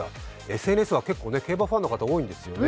ＳＮＳは結構競馬ファンの方が多いんですよね。